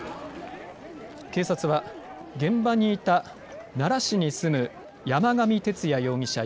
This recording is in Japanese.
警察は現場にいた奈良市に住む山上徹也容疑者